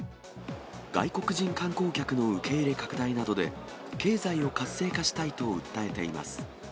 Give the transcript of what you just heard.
外国人観光客の受け入れ拡大などで、経済を活性化したいと訴えています。